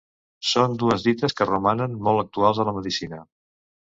Són dues dites que romanen molt actuals a la medicina.